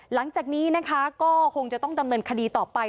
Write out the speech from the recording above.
หลังจากนี้นะคะก็คงจะต้องดำเนินคดีต่อไป